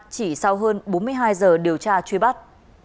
chỉ sau hơn bốn mươi hai giờ điều tra truy bắt